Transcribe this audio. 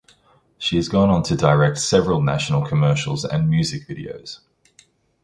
She has gone on to direct several national commercials and music videos.